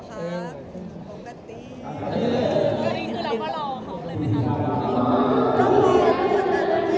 ตื่นนี้คือเราก็รอของเลยไหมคะ